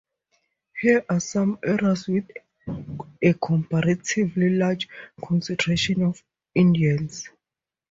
Here are some areas with a comparatively larger concentration of Indians.